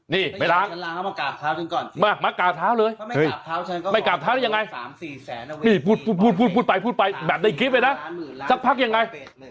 นี่ไม่ล้างมากลับเท้าเลยไม่กลับเท้ายังไงพูดไปพูดไปแบบในคลิปไอ้น้ำสักพักยังไง